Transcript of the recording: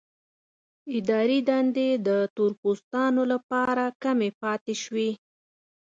اداري دندې د تور پوستانو لپاره کمې پاتې شوې.